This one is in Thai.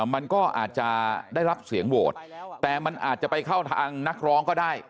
มันก็อาจจะได้รับเสียงโหวตแต่มันอาจจะไปเข้าทางนักร้องก็ได้